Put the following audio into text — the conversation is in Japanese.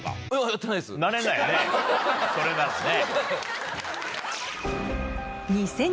それならね。